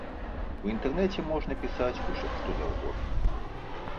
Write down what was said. У інтэрнэце можна пісаць усё што заўгодна.